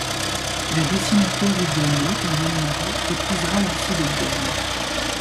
Le dessinateur huguenot, Daniel Marot épousera la fille de Gole.